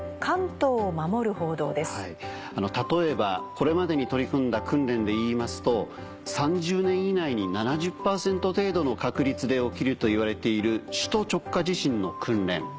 例えばこれまでに取り組んだ訓練で言いますと３０年以内に７０％程度の確率で起きるといわれている首都直下地震の訓練。